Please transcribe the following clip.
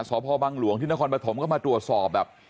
สพบังหลวงที่นครปฐมก็มาตรวจสอบแบบ